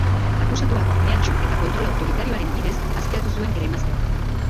Akusatuak mehatxu eta kontrol autoritarioaren bidez azpiratu zuen bere emaztea.